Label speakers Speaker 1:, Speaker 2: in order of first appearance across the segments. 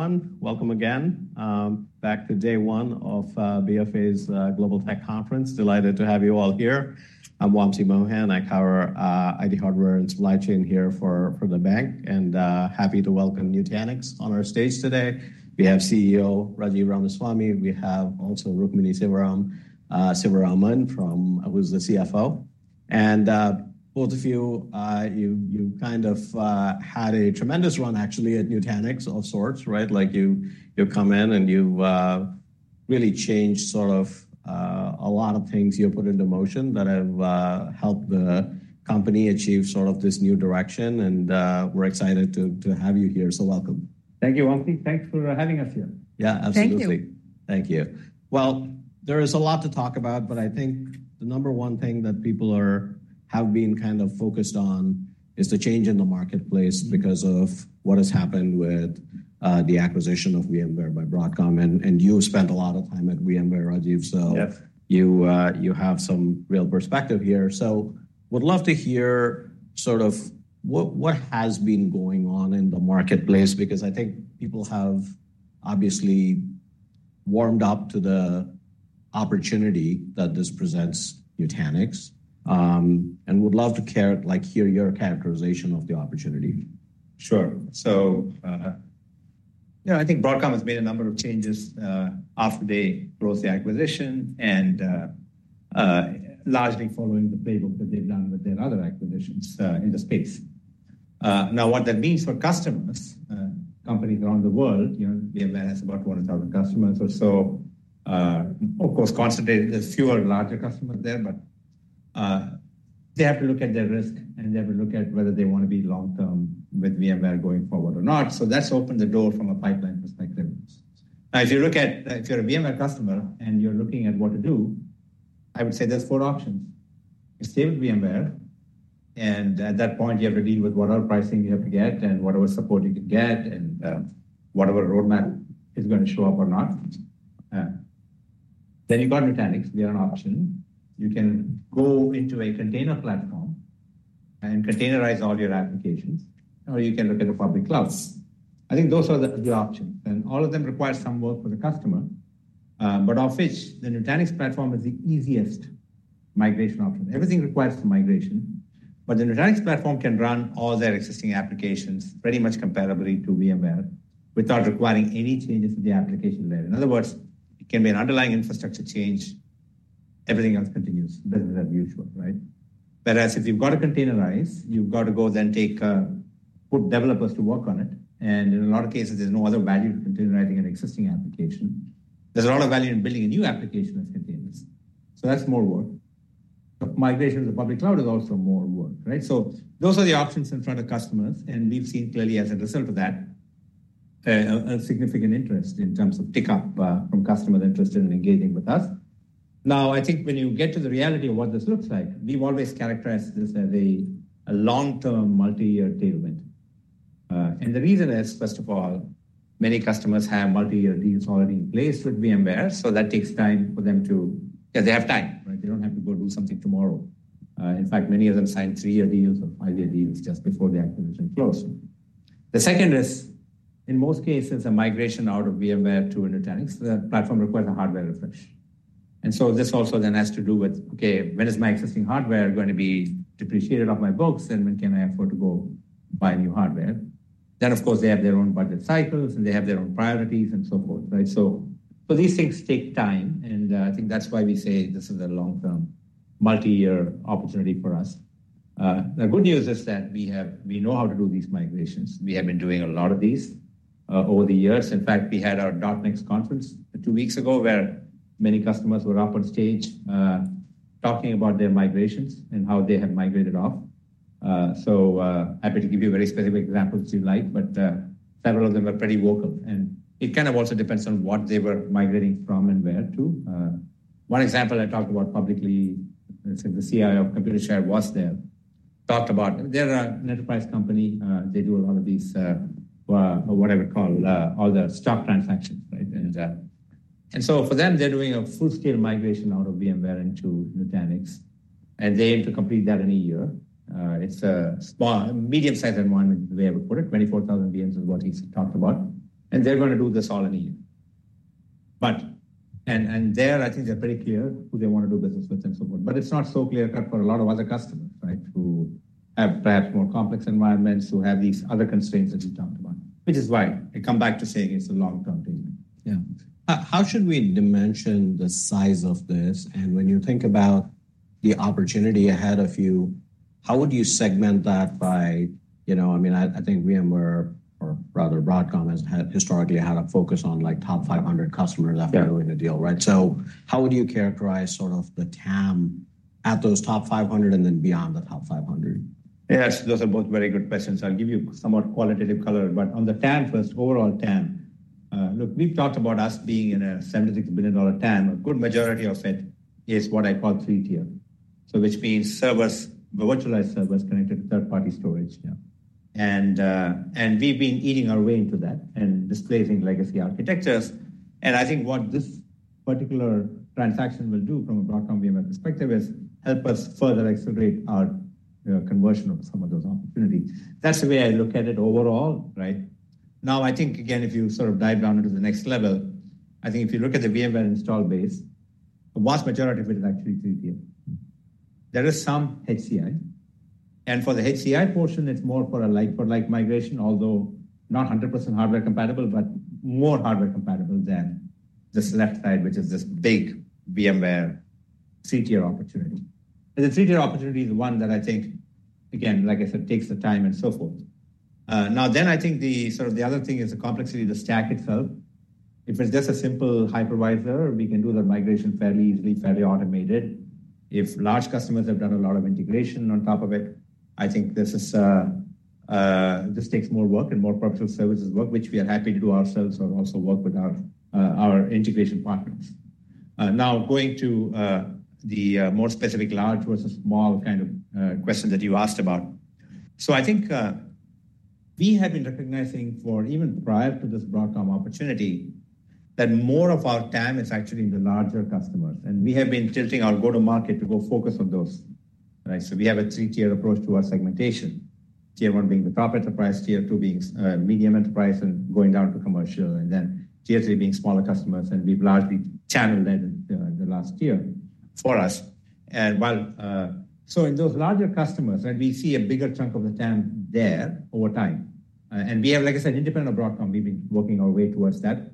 Speaker 1: Everyone, welcome again, back to day one of BofA's Global Tech Conference. Delighted to have you all here. I'm Wamsi Mohan. I cover IT hardware and supply chain here for the bank, and happy to welcome Nutanix on our stage today. We have CEO Rajiv Ramaswami. We have also Rukmini Sivaraman, who's the CFO. And both of you, you kind of had a tremendous run, actually, at Nutanix of sorts, right? Like, you come in, and you've really changed sort of a lot of things you put into motion that have helped the company achieve sort of this new direction, and we're excited to have you here. So welcome.
Speaker 2: Thank you, Wamsi. Thanks for having us here.
Speaker 1: Yeah, absolutely.
Speaker 3: Thank you.
Speaker 1: Thank you. Well, there is a lot to talk about, but I think the number one thing that people are, have been kind of focused on is the change in the marketplace because of what has happened with the acquisition of VMware by Broadcom. And you spent a lot of time at VMware, Rajiv-
Speaker 2: Yep.
Speaker 1: So you, you have some real perspective here. So would love to hear sort of what, what has been going on in the marketplace, because I think people have obviously warmed up to the opportunity that this presents Nutanix, and would love to like, hear your characterization of the opportunity.
Speaker 2: Sure. So, yeah, I think Broadcom has made a number of changes after they closed the acquisition and largely following the playbook that they've done with their other acquisitions in the space. Now, what that means for customers, companies around the world, you know, VMware has about 1,000 customers or so, of course, concentrated. There's fewer larger customers there, but they have to look at their risk, and they have to look at whether they want to be long-term with VMware going forward or not. So that's opened the door from a pipeline perspective. As you look at, if you're a VMware customer and you're looking at what to do, I would say there's four options. You stay with VMware, and at that point, you have to deal with whatever pricing you have to get and whatever support you can get and, whatever roadmap is going to show up or not. Then you've got Nutanix. We are an option. You can go into a container platform and containerize all your applications, or you can look at the public clouds. I think those are the options, and all of them require some work for the customer, but of which the Nutanix platform is the easiest migration option. Everything requires some migration, but the Nutanix platform can run all their existing applications pretty much comparably to VMware without requiring any changes to the application layer. In other words, it can be an underlying infrastructure change. Everything else continues business as usual, right? Whereas if you've got to containerize, you've got to go then take, put developers to work on it, and in a lot of cases, there's no other value to containerizing an existing application. There's a lot of value in building a new application as containers, so that's more work. Migration to the public cloud is also more work, right? So those are the options in front of customers, and we've seen clearly as a result of that, a significant interest in terms of pickup from customers interested in engaging with us. Now, I think when you get to the reality of what this looks like, we've always characterized this as a long-term, multi-year tailwind. And the reason is, first of all, many customers have multi-year deals already in place with VMware, so that takes time for them to... Yeah, they have time, right? They don't have to go do something tomorrow. In fact, many of them signed three-year deals or five-year deals just before the acquisition closed. The second is, in most cases, a migration out of VMware to Nutanix, the platform requires a hardware refresh. And so this also then has to do with, okay, when is my existing hardware going to be depreciated off my books, and when can I afford to go buy new hardware? Then, of course, they have their own budget cycles, and they have their own priorities and so forth, right? So, so these things take time, and, I think that's why we say this is a long-term, multi-year opportunity for us. The good news is that we have, we know how to do these migrations. We have been doing a lot of these, over the years. In fact, we had our .NEXT conference two weeks ago, where many customers were up on stage, talking about their migrations and how they had migrated off. So, happy to give you very specific examples if you like, but several of them are pretty vocal, and it kind of also depends on what they were migrating from and where to. One example I talked about publicly, let's say the CIO of Computershare was there, talked about... They're an enterprise company. They do a lot of these, or whatever you call, all the stock transactions, right? And so for them, they're doing a full-scale migration out of VMware into Nutanix, and they aim to complete that in a year. It's a small, medium-sized environment, the way I would put it. 24,000 VMs is what he's talked about, and they're going to do this all in a year. But, and, and there, I think they're pretty clear who they want to do business with and so forth. But it's not so clear-cut for a lot of other customers, right, who have perhaps more complex environments, who have these other constraints that we talked about, which is why I come back to saying it's a long-term commitment.
Speaker 1: Yeah. How should we dimension the size of this? And when you think about the opportunity ahead of you, how would you segment that by, you know, I mean, I think VMware or rather Broadcom has had, historically had a focus on, like, top 500 customers-
Speaker 2: Yeah.
Speaker 1: After doing a deal, right? So how would you characterize sort of the TAM at those top 500 and then beyond the top 500?
Speaker 2: Yes, those are both very good questions. I'll give you somewhat qualitative color, but on the TAM first, overall TAM, look, we've talked about us being in a $76 billion TAM. A good majority of it is what I call three-tier. So which means servers, virtualized servers connected to third-party storage.
Speaker 1: Yeah.
Speaker 2: We've been eating our way into that and displacing legacy architectures. I think what this particular transaction will do from a Broadcom VMware perspective is help us further accelerate our, you know, conversion of some of those opportunities. That's the way I look at it overall, right? Now, I think, again, if you sort of dive down into the next level, I think if you look at the VMware install base, the vast majority of it is actually three-tier. There is some HCI, and for the HCI portion, it's more for a like-for-like migration, although not 100% hardware compatible, but more hardware compatible than this left side, which is this big VMware three-tier opportunity. And the three-tier opportunity is the one that I think, again, like I said, takes the time and so forth. Now, then I think the sort of the other thing is the complexity of the stack itself. If it's just a simple hypervisor, we can do the migration fairly easily, fairly automated. If large customers have done a lot of integration on top of it, I think this is, this takes more work and more professional services work, which we are happy to do ourselves or also work with our, our integration partners. Now, going to the more specific large versus small kind of question that you asked about. So I think, we have been recognizing for even prior to this Broadcom opportunity, that more of our TAM is actually in the larger customers, and we have been tilting our go-to-market to go focus on those, right? So we have a three-tier approach to our segmentation. Tier one being the top enterprise, tier two being, medium enterprise, and going down to commercial, and then tier three being smaller customers, and we've largely channeled that in the, the last year for us. And while, so in those larger customers, and we see a bigger chunk of the TAM there over time. And we have, like I said, independent of Broadcom, we've been working our way towards that.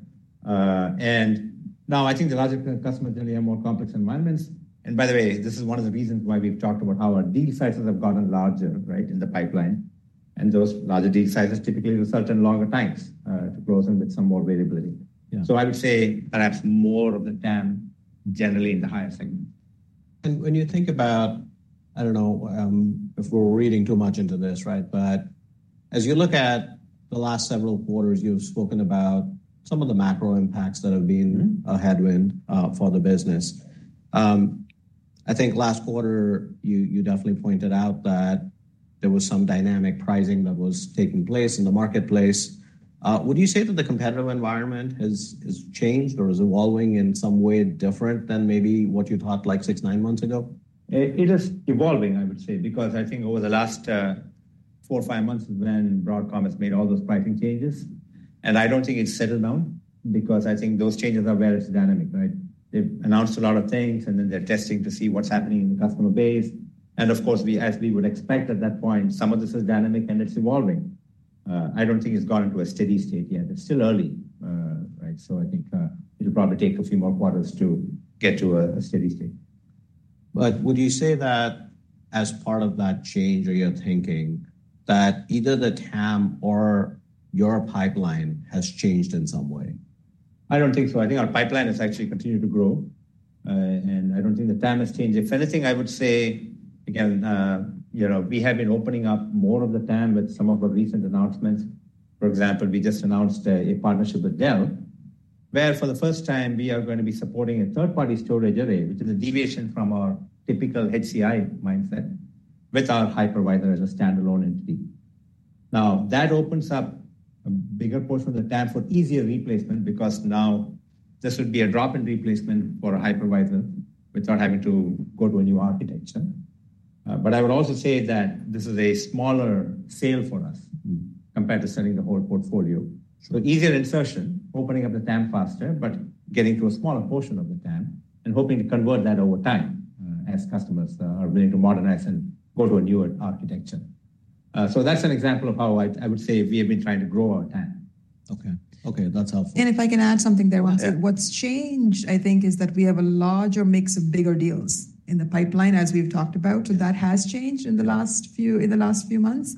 Speaker 2: And now I think the larger customers generally have more complex environments. And by the way, this is one of the reasons why we've talked about how our deal sizes have gotten larger, right, in the pipeline. And those larger deal sizes typically result in longer times, to close them with some more variability.
Speaker 1: Yeah.
Speaker 2: I would say perhaps more of the TAM, generally in the higher segment.
Speaker 1: When you think about, I don't know, if we're reading too much into this, right? But as you look at the last several quarters, you've spoken about some of the macro impacts that have been- —a headwind for the business. I think last quarter, you definitely pointed out that there was some dynamic pricing that was taking place in the marketplace. Would you say that the competitive environment has changed or is evolving in some way different than maybe what you thought, like, 6, 9 months ago?
Speaker 2: It, it is evolving, I would say, because I think over the last four or five months is when Broadcom has made all those pricing changes, and I don't think it's settled down because I think those changes are very dynamic, right? They've announced a lot of things, and then they're testing to see what's happening in the customer base. And of course, we, as we would expect at that point, some of this is dynamic and it's evolving. I don't think it's gone into a steady state yet. It's still early, right? So I think, it'll probably take a few more quarters to get to a steady state.
Speaker 1: But would you say that as part of that change or your thinking, that either the TAM or your pipeline has changed in some way?
Speaker 2: I don't think so. I think our pipeline has actually continued to grow, and I don't think the TAM has changed. If anything, I would say, again, you know, we have been opening up more of the TAM with some of the recent announcements. For example, we just announced a partnership with Dell, where for the first time, we are going to be supporting a third-party storage array, which is a deviation from our typical HCI mindset with our hypervisor as a standalone entity. Now, that opens up a bigger portion of the TAM for easier replacement because now this would be a drop-in replacement for a hypervisor without having to go to a new architecture. But I would also say that this is a smaller sale for us. -compared to selling the whole portfolio. So easier insertion, opening up the TAM faster, but getting to a smaller portion of the TAM and hoping to convert that over time, as customers are willing to modernize and go to a newer architecture. So that's an example of how I would say we have been trying to grow our TAM.
Speaker 1: Okay. Okay, that's helpful.
Speaker 3: If I can add something there, Wamsi.
Speaker 1: Yeah.
Speaker 3: What's changed, I think, is that we have a larger mix of bigger deals in the pipeline, as we've talked about.
Speaker 1: Yeah.
Speaker 3: That has changed in the last few-
Speaker 1: Yeah...
Speaker 3: in the last few months.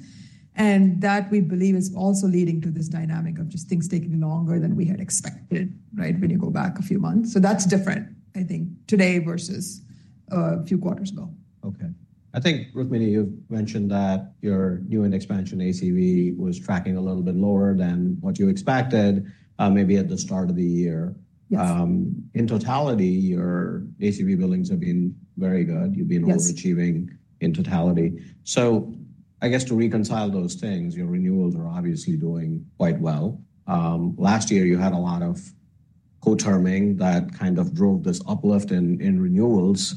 Speaker 3: And that, we believe, is also leading to this dynamic of just things taking longer than we had expected, right? When you go back a few months. So that's different, I think, today versus a few quarters ago.
Speaker 1: Okay. I think, Rukmini, you've mentioned that your new and expansion ACV was tracking a little bit lower than what you expected, maybe at the start of the year.
Speaker 3: Yes.
Speaker 1: In totality, your ACV billings have been very good.
Speaker 3: Yes.
Speaker 1: You've been overachieving in totality. So I guess to reconcile those things, your renewals are obviously doing quite well. Last year, you had a lot of co-terming that kind of drove this uplift in, in renewals.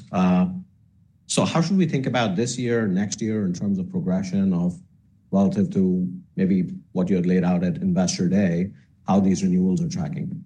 Speaker 1: So how should we think about this year or next year in terms of progression of relative to maybe what you had laid out at Investor Day, how these renewals are tracking?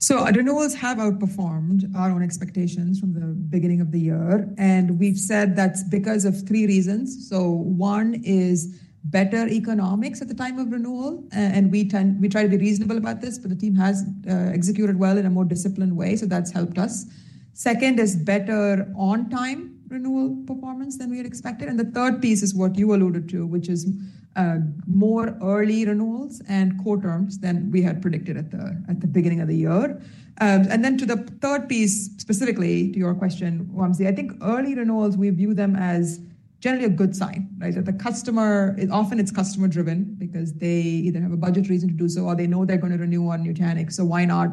Speaker 3: So the renewals have outperformed our own expectations from the beginning of the year, and we've said that's because of three reasons. So one is better economics at the time of renewal, and we tend to try to be reasonable about this, but the team has executed well in a more disciplined way, so that's helped us. Second is better on-time renewal performance than we had expected, and the third piece is what you alluded to, which is more early renewals and co-terms than we had predicted at the beginning of the year. And then to the third piece, specifically to your question, Wamsi, I think early renewals we view them as generally a good sign, right? That the customer... Often it's customer-driven because they either have a budget reason to do so or they know they're going to renew on Nutanix, so why not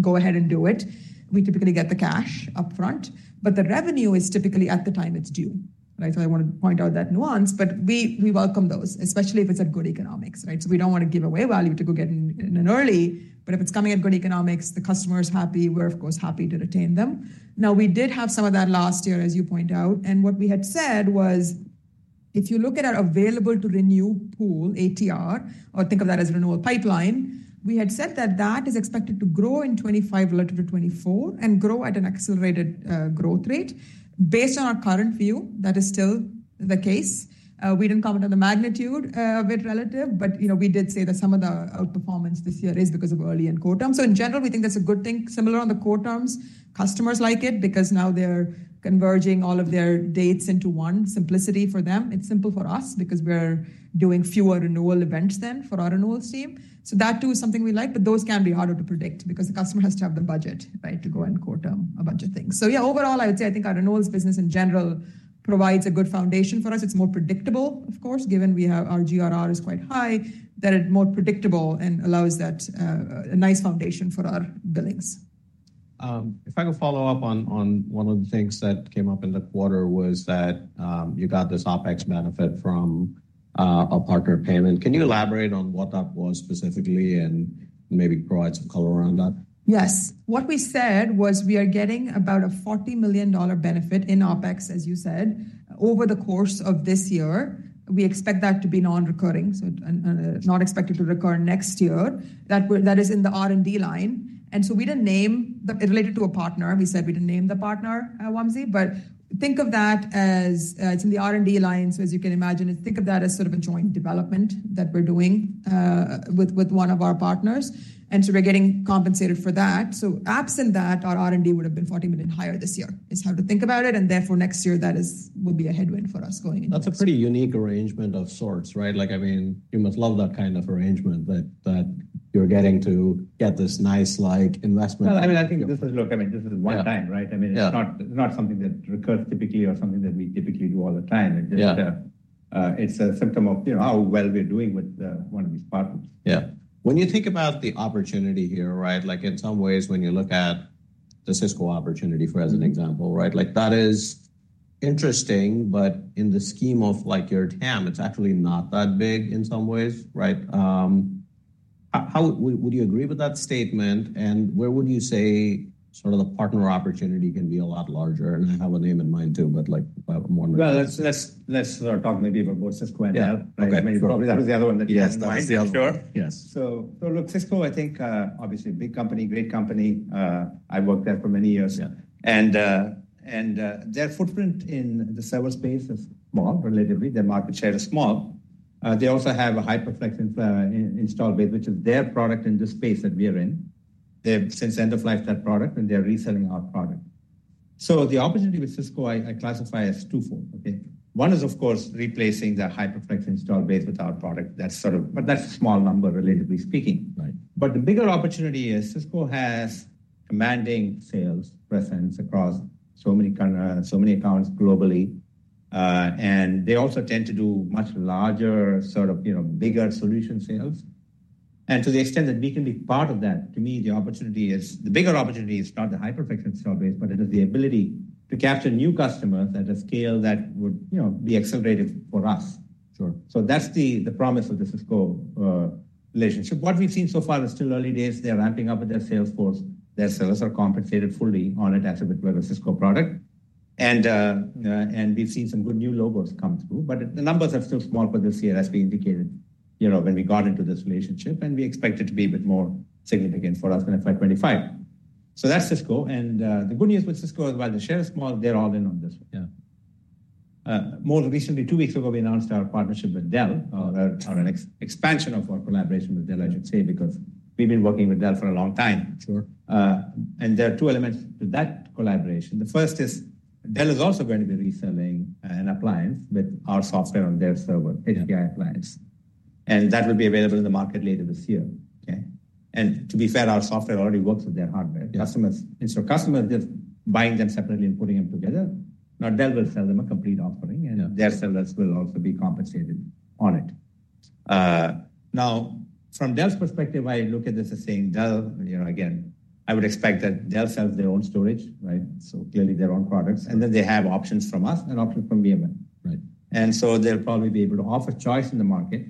Speaker 3: go ahead and do it? We typically get the cash upfront, but the revenue is typically at the time it's due. Right, so I want to point out that nuance, but we welcome those, especially if it's good economics, right? So we don't want to give away value to go get in early, but if it's coming at good economics, the customer is happy, we're of course happy to retain them. Now, we did have some of that last year, as you point out, and what we had said was, if you look at our available to renew pool, ATR, or think of that as renewal pipeline, we had said that that is expected to grow in 2025 relative to 2024 and grow at an accelerated growth rate. Based on our current view, that is still the case. We didn't comment on the magnitude of it relative, but, you know, we did say that some of the outperformance this year is because of early and co-terms. So in general, we think that's a good thing. Similar on the co-terms, customers like it because now they're converging all of their dates into one. Simplicity for them. It's simple for us because we're doing fewer renewal events than for our renewals team. So that, too, is something we like, but those can be harder to predict because the customer has to have the budget, right, to go and quote them a bunch of things. So yeah, overall, I would say I think our renewals business in general provides a good foundation for us. It's more predictable, of course, given we have our GRR is quite high, that it's more predictable and allows that, a nice foundation for our billings.
Speaker 1: If I could follow up on one of the things that came up in the quarter was that, you got this OpEx benefit from a partner payment. Can you elaborate on what that was specifically and maybe provide some color around that?
Speaker 3: Yes. What we said was we are getting about a $40 million benefit in OpEx, as you said, over the course of this year. We expect that to be non-recurring, so, and not expected to recur next year. That is in the R&D line, and so we didn't name the... It related to a partner. We said we didn't name the partner, Wamsi, but think of that as, it's in the R&D line. So as you can imagine, think of that as sort of a joint development that we're doing, with one of our partners, and so we're getting compensated for that. So absent that, our R&D would have been $40 million higher this year, is how to think about it, and therefore, next year, that is, will be a headwind for us going into it.
Speaker 1: That's a pretty unique arrangement of sorts, right? Like, I mean, you must love that kind of arrangement, that you're getting to get this nice like investment.
Speaker 2: Well, I mean, this is one time, right?
Speaker 1: Yeah.
Speaker 2: I mean, it's not something that recurs typically or something that we typically do all the time.
Speaker 1: Yeah.
Speaker 2: It's a symptom of, you know, how well we're doing with one of these partners.
Speaker 1: Yeah. When you think about the opportunity here, right, like in some ways, when you look at the Cisco opportunity, for as an example, right? Like that is interesting, but in the scheme of like your TAM, it's actually not that big in some ways, right? Would you agree with that statement, and where would you say sort of the partner opportunity can be a lot larger? And I have a name in mind, too, but like, I'm wondering.
Speaker 2: Well, let's start talking maybe about Cisco and Dell.
Speaker 1: Yeah. Okay.
Speaker 2: That was the other one that came to mind.
Speaker 1: Yes, sure. Yes.
Speaker 2: So, look, Cisco, I think, obviously a big company, great company. I worked there for many years.
Speaker 1: Yeah.
Speaker 2: And their footprint in the server space is small, relatively. Their market share is small. They also have a HyperFlex install base, which is their product in the space that we are in. They've since end-of-lifed that product, and they're reselling our product. So the opportunity with Cisco, I classify as twofold, okay? One is, of course, replacing their HyperFlex install base with our product. That's sort of... But that's a small number, relatively speaking.
Speaker 1: Right.
Speaker 2: But the bigger opportunity is Cisco has commanding sales presence across so many countries, so many accounts globally, and they also tend to do much larger, sort of, you know, bigger solution sales. And to the extent that we can be part of that, to me, the opportunity is, the bigger opportunity is not the HyperFlex installed base, but it is the ability to capture new customers at a scale that would, you know, be accelerated for us.
Speaker 1: Sure.
Speaker 2: So that's the promise of the Cisco relationship. What we've seen so far, it's still early days. They're ramping up with their sales force. Their sellers are compensated fully on it as a bit with a Cisco product, and we've seen some good new logos come through, but the numbers are still small for this year, as we indicated, you know, when we got into this relationship, and we expect it to be a bit more significant for us in FY 2025. So that's Cisco, and the good news with Cisco is, while the share is small, they're all in on this one.
Speaker 1: Yeah.
Speaker 2: More recently, two weeks ago, we announced our partnership with Dell, or an expansion of our collaboration with Dell, I should say, because we've been working with Dell for a long time.
Speaker 1: Sure.
Speaker 2: There are two elements to that collaboration. The first is Dell is also going to be reselling an appliance with our software on their server-
Speaker 1: Yeah...
Speaker 2: HCI appliance, and that will be available in the market later this year.
Speaker 1: Okay.
Speaker 2: To be fair, our software already works with their hardware.
Speaker 1: Yeah.
Speaker 2: Customers, and so customers just buying them separately and putting them together. Now, Dell will sell them a complete offering.
Speaker 1: Yeah...
Speaker 2: and their sellers will also be compensated on it. Now, from Dell's perspective, I look at this as saying Dell, you know, again, I would expect that Dell sells their own storage, right? So clearly, their own products, and then they have options from us and options from VMware.
Speaker 1: Right.
Speaker 2: So they'll probably be able to offer choice in the market.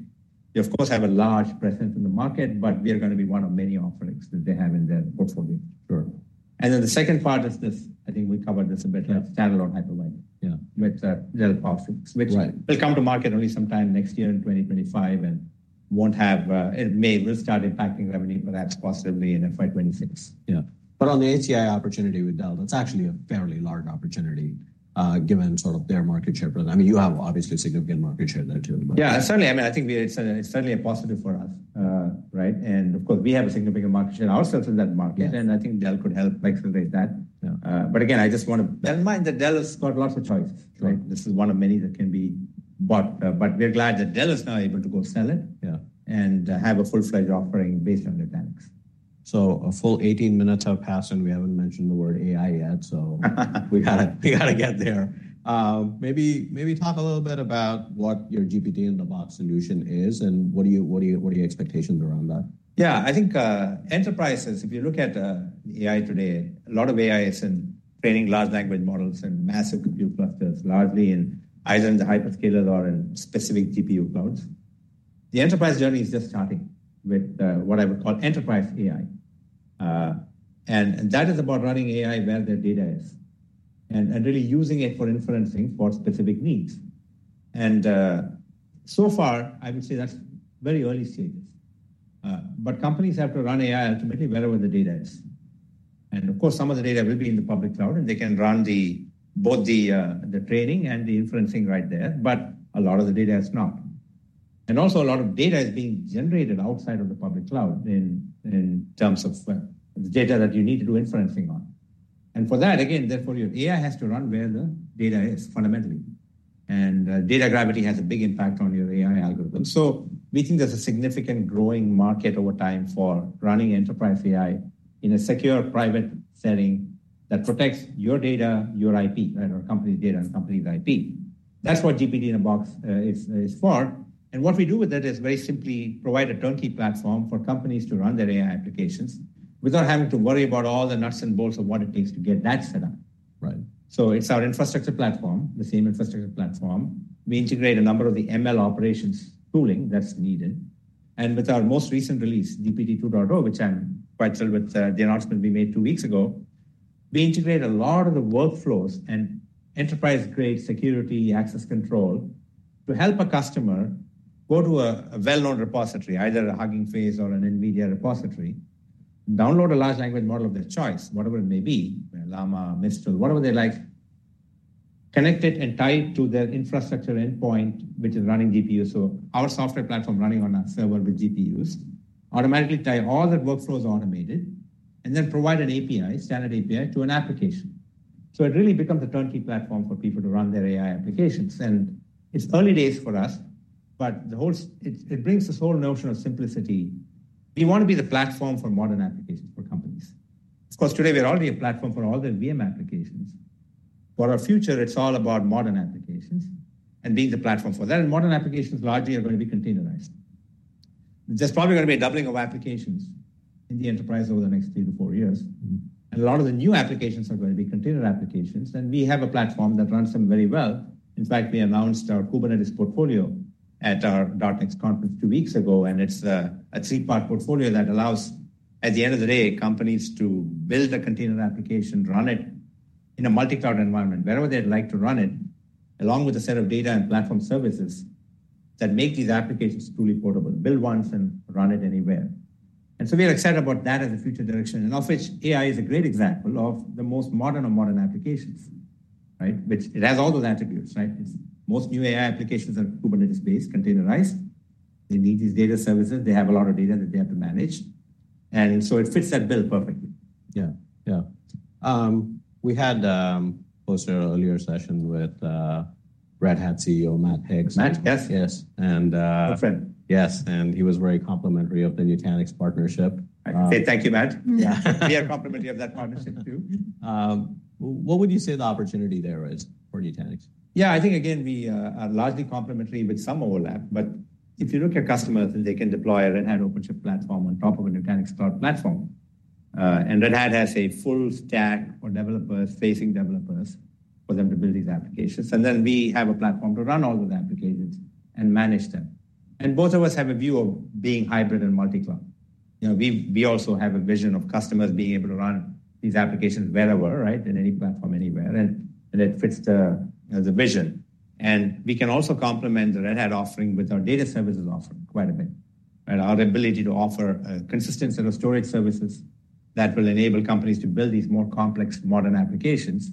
Speaker 2: They, of course, have a large presence in the market, but we are going to be one of many offerings that they have in their portfolio.
Speaker 1: Sure.
Speaker 2: And then the second part is this, I think we covered this a bit-
Speaker 1: Yeah...
Speaker 2: standalone HyperFlex.
Speaker 1: Yeah.
Speaker 2: With Dell products.
Speaker 1: Right.
Speaker 2: Which will come to market only sometime next year in 2025 and won't have, it may, will start impacting revenue, but that's possibly in FY 2026.
Speaker 1: Yeah. But on the HCI opportunity with Dell, that's actually a fairly large opportunity, given sort of their market share. But, I mean, you have obviously significant market share there, too.
Speaker 2: Yeah, certainly. I mean, I think we are. It's, it's certainly a positive for us, right? And of course, we have a significant market share ourselves in that market-
Speaker 1: Yeah...
Speaker 2: and I think Dell could help accelerate that.
Speaker 1: Yeah.
Speaker 2: But again, I just want to bear in mind that Dell has got lots of choices, right?
Speaker 1: Sure.
Speaker 2: This is one of many that can be bought, but we're glad that Dell is now able to go sell it-
Speaker 1: Yeah...
Speaker 2: and, have a full-fledged offering based on their banks.
Speaker 1: So a full 18 minutes have passed, and we haven't mentioned the word AI yet, so we gotta, we gotta get there. Maybe, maybe talk a little bit about what your GPT-in-a-Box solution is, and what are you, what are you, what are your expectations around that?
Speaker 2: Yeah, I think enterprises, if you look at AI today, a lot of AI is in training large language models and massive compute clusters, largely in either the hyperscalers or in specific GPU clouds. The enterprise journey is just starting with what I would call enterprise AI. And that is about running AI where their data is, and really using it for inferencing for specific needs. And so far, I would say that's very early stages. But companies have to run AI ultimately wherever the data is. And of course, some of the data will be in the public cloud, and they can run both the training and the inferencing right there, but a lot of the data is not. Also, a lot of data is being generated outside of the public cloud in terms of the data that you need to do inferencing on. For that, again, therefore, your AI has to run where the data is fundamentally. Data gravity has a big impact on your AI algorithm. So we think there's a significant growing market over time for running enterprise AI in a secure, private setting that protects your data, your IP, right, or company's data and company's IP. That's what GPT-in-a-Box is for. What we do with that is very simply provide a turnkey platform for companies to run their AI applications without having to worry about all the nuts and bolts of what it takes to get that set up.
Speaker 1: Right.
Speaker 2: So it's our infrastructure platform, the same infrastructure platform. We integrate a number of the ML operations tooling that's needed. And with our most recent release, GPT 2.0, which I'm quite thrilled with, the announcement we made two weeks ago, we integrate a lot of the workflows and enterprise-grade security access control to help a customer go to a, a well-known repository, either a Hugging Face or an NVIDIA repository, download a large language model of their choice, whatever it may be, Llama, Mistral, whatever they like, connect it and tie it to their infrastructure endpoint, which is running GPU. So our software platform running on a server with GPUs, automatically tie all the workflows automated, and then provide an API, standard API, to an application. So it really becomes a turnkey platform for people to run their AI applications. It's early days for us, but it brings this whole notion of simplicity. We want to be the platform for modern applications for companies. Of course, today, we're already a platform for all the VM applications. For our future, it's all about modern applications and being the platform for that, and modern applications largely are going to be containerized. There's probably going to be a doubling of applications in the enterprise over the next 3-4 years, and a lot of the new applications are going to be container applications, and we have a platform that runs them very well. In fact, we announced our Kubernetes portfolio at our .NEXT conference two weeks ago, and it's a three-part portfolio that allows, at the end of the day, companies to build a container application, run it in a multi-cloud environment, wherever they'd like to run it, along with a set of data and platform services that make these applications truly portable. Build once and run it anywhere. And so we are excited about that as a future direction, and of which AI is a great example of the most modern of modern applications, right? Which it has all those attributes, right? Most new AI applications are Kubernetes-based, containerized. They need these data services. They have a lot of data that they have to manage, and so it fits that bill perfectly.
Speaker 1: Yeah. Yeah. We had also an earlier session with Red Hat CEO, Matt Hicks.
Speaker 2: Matt, yes.
Speaker 1: Yes. And,
Speaker 2: Good friend.
Speaker 1: Yes, and he was very complimentary of the Nutanix partnership.
Speaker 2: I say thank you, Matt.
Speaker 1: Yeah.
Speaker 2: We are complimentary of that partnership, too.
Speaker 1: What would you say the opportunity there is for Nutanix?
Speaker 2: Yeah, I think again, we are largely complementary with some overlap, but if you look at customers, they can deploy a Red Hat OpenShift platform on top of a Nutanix Cloud Platform. And Red Hat has a full stack for developers, facing developers, for them to build these applications. And then we have a platform to run all those applications and manage them. And both of us have a view of being hybrid and multi-cloud. You know, we also have a vision of customers being able to run these applications wherever, right? In any platform, anywhere, and it fits the vision. And we can also complement the Red Hat offering with our data services offering quite a bit, right? Our ability to offer a consistent set of storage services that will enable companies to build these more complex modern applications,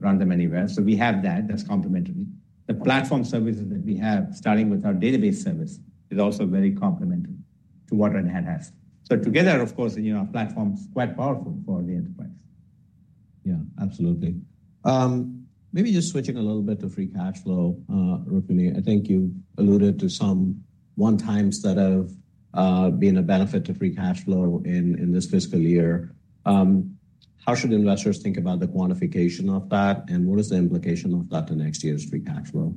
Speaker 2: run them anywhere. So we have that. That's complementary. The platform services that we have, starting with our database service, is also very complementary to what Red Hat has. So together, of course, you know, our platform's quite powerful for the enterprise.
Speaker 4: Yeah, absolutely. Maybe just switching a little bit to free cash flow, Rukmini. I think you alluded to some one-times that have been a benefit to free cash flow in, in this fiscal year. How should investors think about the quantification of that, and what is the implication of that to next year's free cash flow?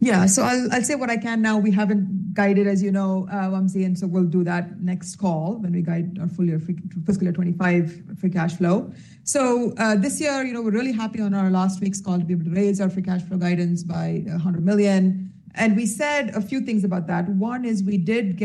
Speaker 3: Yeah. So I'll say what I can now. We haven't guided, as you know, Wamsi, and so we'll do that on our next call when we guide our full year fiscal year 25 free cash flow. So, this year, you know, we're really happy on our last week's call to be able to raise our free cash flow guidance by $100 million, and we said a few things about that. One is we did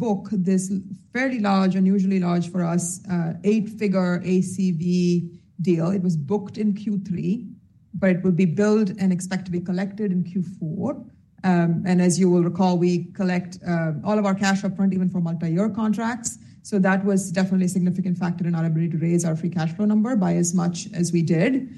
Speaker 3: book this fairly large, unusually large for us, eight-figure ACV deal. It was booked in Q3, but it will be billed and we expect to be collected in Q4. And as you will recall, we collect all of our cash upfront, even for multi-year contracts. So that was definitely a significant factor in our ability to raise our free cash flow number by as much as we did.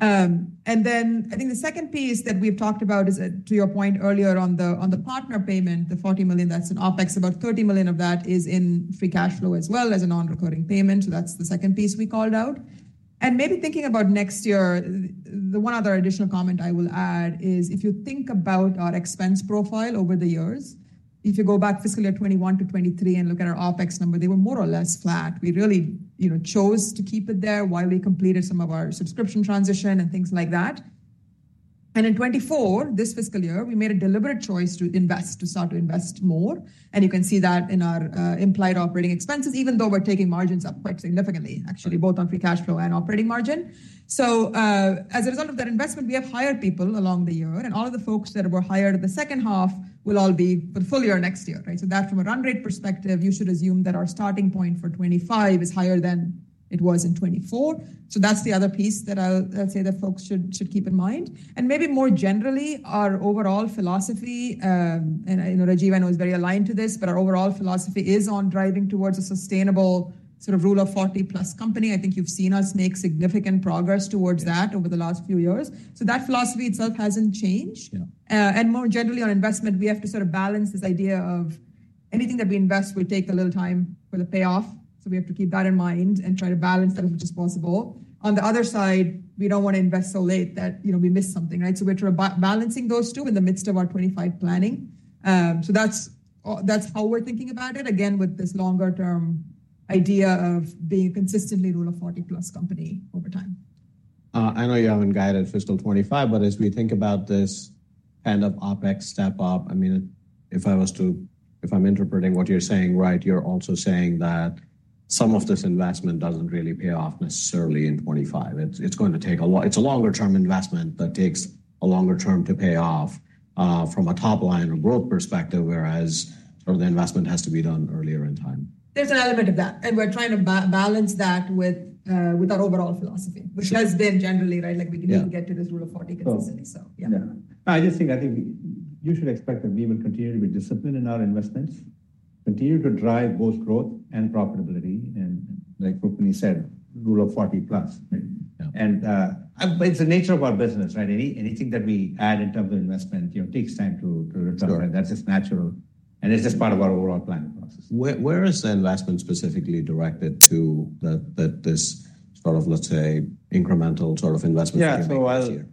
Speaker 3: And then I think the second piece that we've talked about is, to your point earlier on the, on the partner payment, the $40 million, that's in OpEx, about $30 million of that is in free cash flow as well as a non-recurring payment. So that's the second piece we called out. And maybe thinking about next year, the one other additional comment I will add is, if you think about our expense profile over the years, if you go back fiscal year 2021 to 2023 and look at our OpEx number, they were more or less flat. We really, you know, chose to keep it there while we completed some of our subscription transition and things like that. In 2024, this fiscal year, we made a deliberate choice to invest, to start to invest more, and you can see that in our implied operating expenses, even though we're taking margins up quite significantly, actually, both on free cash flow and operating margin. So, as a result of that investment, we have hired people along the year, and all of the folks that were hired in the second half will all be full year next year, right? So that from a run rate perspective, you should assume that our starting point for 2025 is higher than ... it was in 2024. So that's the other piece that I'll say that folks should keep in mind. Maybe more generally, our overall philosophy, you know, Rajiv, I know, is very aligned to this, but our overall philosophy is on driving towards a sustainable sort of Rule of 40+ company. I think you've seen us make significant progress towards that-
Speaker 1: Yeah.
Speaker 3: Over the last few years. So that philosophy itself hasn't changed.
Speaker 1: Yeah.
Speaker 3: And more generally on investment, we have to sort of balance this idea of anything that we invest will take a little time for the payoff. So we have to keep that in mind and try to balance them as much as possible. On the other side, we don't want to invest so late that, you know, we miss something, right? So we're balancing those two in the midst of our 25 planning. So that's, that's how we're thinking about it. Again, with this longer-term idea of being a consistently Rule of 40+ company over time.
Speaker 1: I know you haven't guided fiscal 25, but as we think about this kind of OpEx step up, I mean, if I'm interpreting what you're saying, right, you're also saying that some of this investment doesn't really pay off necessarily in 25. It's a longer-term investment that takes a longer term to pay off, from a top-line growth perspective, whereas some of the investment has to be done earlier in time.
Speaker 3: There's an element of that, and we're trying to balance that with our overall philosophy, which has been generally, right-
Speaker 1: Yeah.
Speaker 3: Like, we need to get to this rule of 40 consistently. So, yeah.
Speaker 1: Yeah.
Speaker 2: I just think, I think you should expect that we will continue to be disciplined in our investments, continue to drive both growth and profitability, and like Rukmini said, Rule of 40+, right?
Speaker 1: Yeah.
Speaker 2: It's the nature of our business, right? Anything that we add in terms of investment, you know, takes time to return.
Speaker 1: Sure.
Speaker 2: That's just natural, and it's just part of our overall planning process.
Speaker 1: Where is the investment specifically directed to that this sort of, let's say, incremental sort of investment?
Speaker 2: Yeah. So I'll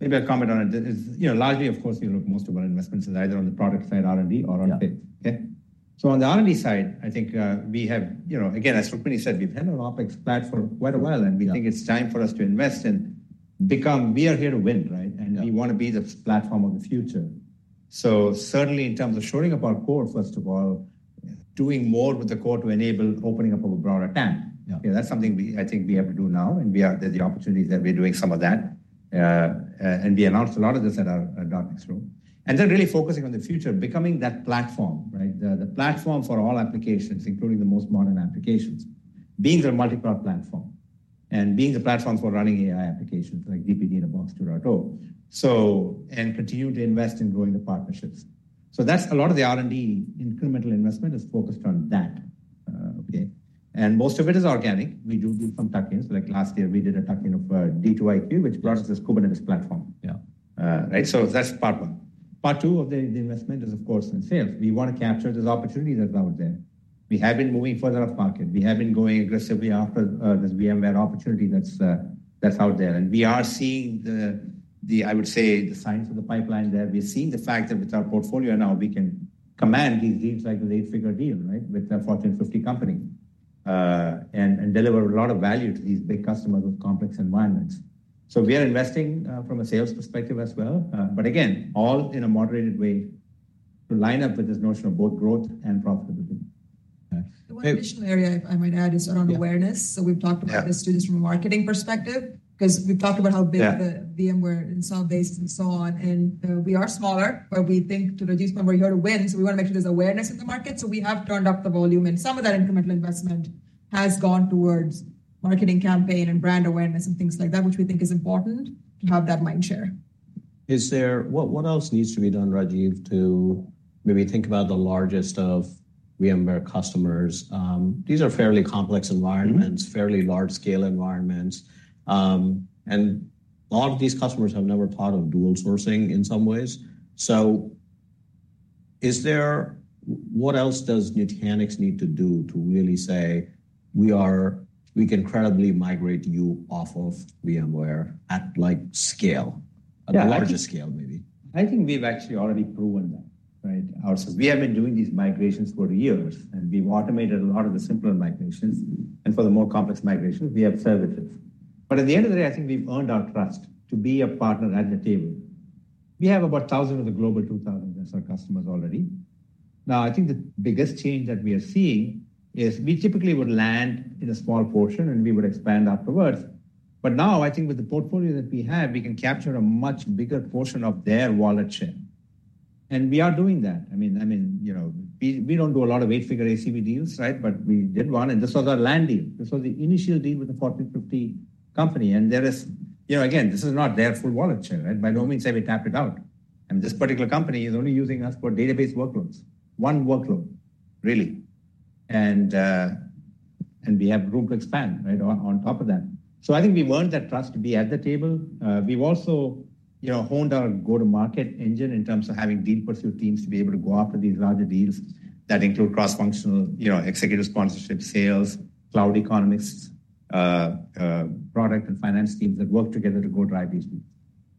Speaker 2: maybe comment on it. You know, largely, of course, you know, most of our investments is either on the product side, R&D, or on pit.
Speaker 1: Yeah.
Speaker 2: Okay? So on the R&D side, I think, we have, you know, again, as Rukmini said, we've had an OpEx flat for quite a while, and we think it's time for us to invest and become... We are here to win, right?
Speaker 1: Yeah.
Speaker 2: And we want to be the platform of the future. So certainly in terms of shoring up our core, first of all, doing more with the core to enable opening up of a broader TAM.
Speaker 1: Yeah.
Speaker 2: That's something we, I think we have to do now, and we are—there's the opportunities that we're doing some of that. And we announced a lot of this at our .NEXT. And then really focusing on the future, becoming that platform, right? The, the platform for all applications, including the most modern applications, being a multi-cloud platform and being the platform for running AI applications like GPT-in-a-Box 2.0. So, and continue to invest in growing the partnerships. So that's a lot of the R&D incremental investment is focused on that. Okay. And most of it is organic. We do do some tuck-ins. Like last year, we did a tuck-in of, D2iQ, which brought us this Kubernetes platform.
Speaker 1: Yeah.
Speaker 2: Right. So that's part one. Part two of the investment is, of course, in sales. We want to capture this opportunity that's out there. We have been moving further upmarket. We have been going aggressively after this VMware opportunity that's out there. And we are seeing the, I would say, the signs of the pipeline there. We are seeing the fact that with our portfolio now, we can command these deals like an eight-figure deal, right, with a Fortune 50 company, and deliver a lot of value to these big customers with complex environments. So we are investing from a sales perspective as well, but again, all in a moderated way to line up with this notion of both growth and profitability.
Speaker 1: Yeah.
Speaker 3: The one additional area I might add is around awareness.
Speaker 1: Yeah.
Speaker 3: So we've talked about this too, from a marketing perspective, because we've talked about how big-
Speaker 1: Yeah
Speaker 3: the VMware install base and so on, and, we are smaller, but we think to reduce when we're here to win, so we want to make sure there's awareness in the market. So we have turned up the volume, and some of that incremental investment has gone towards marketing campaign and brand awareness and things like that, which we think is important to have that mind share.
Speaker 1: Is there—what, what else needs to be done, Rajiv, to maybe think about the largest of VMware customers? These are fairly complex environments- Fairly large-scale environments. And a lot of these customers have never thought of dual sourcing in some ways. So is there—what else does Nutanix need to do to really say, "We are—we can credibly migrate you off of VMware at, like, scale?
Speaker 2: Yeah.
Speaker 1: At a larger scale, maybe.
Speaker 2: I think we've actually already proven that, right? So we have been doing these migrations for years, and we've automated a lot of the simpler migrations, and for the more complex migrations, we have services. But at the end of the day, I think we've earned our trust to be a partner at the table. We have about thousands of the Global 2000, that's our customers already. Now, I think the biggest change that we are seeing is we typically would land in a small portion, and we would expand afterwards. But now, I think with the portfolio that we have, we can capture a much bigger portion of their wallet share, and we are doing that. I mean, I mean, you know, we, we don't do a lot of eight-figure ACV deals, right? But we did one, and this was our land deal. This was the initial deal with the Fortune 50 company, and there is... You know, again, this is not their full wallet share, right? By no means have we tapped it out. And this particular company is only using us for database workloads. One workload, really. And we have room to expand, right, on top of that. So I think we've earned that trust to be at the table. We've also, you know, honed our go-to-market engine in terms of having deal pursuit teams to be able to go after these larger deals that include cross-functional, you know, executive sponsorship, sales, cloud economists, product and finance teams that work together to go drive these deals.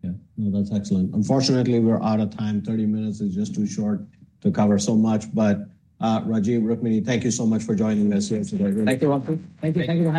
Speaker 4: Yeah. No, that's excellent. Unfortunately, we're out of time. 30 minutes is just too short to cover so much. But, Rajiv, Rukmini, thank you so much for joining us here today.
Speaker 2: Thank you, Wamsi. Thank you. Thank you for having us.